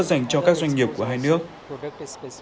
dành cho các doanh nghiệp của hai nước